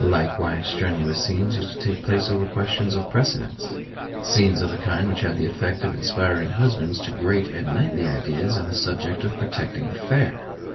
Likewise strenuous scenes used to take place over questions of precedence scenes of a kind which had the effect of inspiring husbands to great and knightly ideas on the subject of protecting the fair.